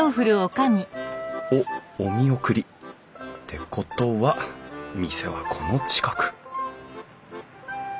おっお見送り。ってことは店はこの近く！